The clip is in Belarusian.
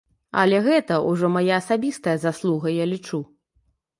Але гэта ўжо мая асабістая заслуга, я лічу.